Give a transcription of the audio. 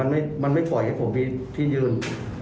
มันไม่ปล่อยให้ผมมีที่ยืน